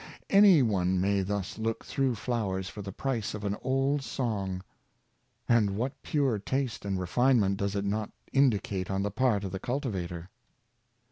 Any one may thus look through flowers for the price of an old song^ Common Enjoyments, 33 And what pure taste and refinement does it not indi cate on the part of the cultivator!